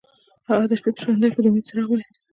هغه د شپه په سمندر کې د امید څراغ ولید.